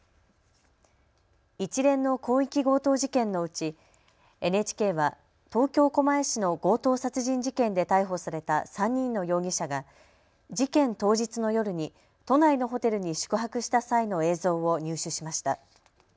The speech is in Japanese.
一連の広域強盗事件のうち、ＮＨＫは東京狛江市の強盗殺人事件で逮捕された３人の容疑者が事件当日の夜に都内のホテルに宿泊した際の映像を入手しました。